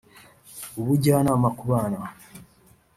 ubujyanama ku bana